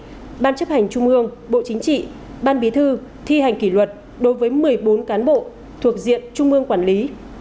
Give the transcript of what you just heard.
ủy ban chấp hành trung mương bộ chính trị ban bí thư thi hành kỷ luật đối với một mươi bốn cán bộ thuộc diện trung mương quản lý